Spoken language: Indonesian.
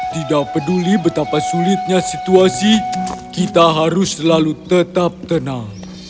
tidak peduli betapa sulitnya situasi kita harus selalu tetap tenang